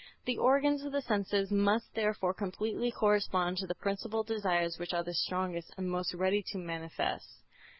The organs of the senses must therefore completely correspond to the principal desires which are the strongest and most ready to manifest.